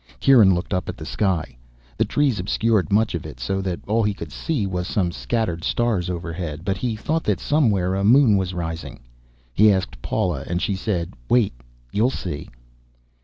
Kieran looked up at the sky. The trees obscured much of it so that all he could see was some scattered stars overhead. But he thought that somewhere a moon was rising. He asked Paula and she said, "Wait. You'll see."